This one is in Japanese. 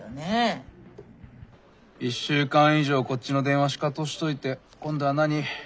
１週間以上こっちの電話シカトしといて今度は何？